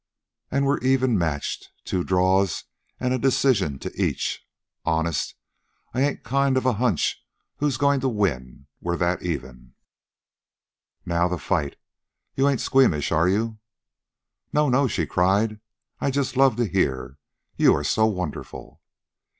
And we're even matched. Two draws, and a decision to each. Honest, I ain't any kind of a hunch who's goin' to win, we're that even. "Now, the fight. You ain't squeamish, are you?" "No, no," she cried. "I'd just love to hear you are so wonderful."